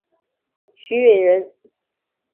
许允人。